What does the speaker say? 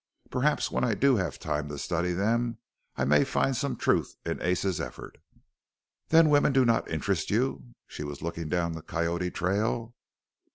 Perhaps when I do have time to study them I may find some truth in Ace's effort." "Then women do not interest you?" She was looking down the Coyote trail.